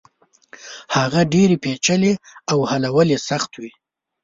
هغه ډېرې پېچلې او حلول يې سخت وي.